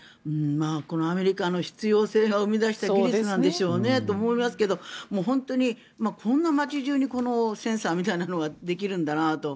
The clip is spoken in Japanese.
アメリカの必要性が生み出した技術なんでしょうねと思いますけど本当にこんな街中にセンサーみたいなのができるんだなと。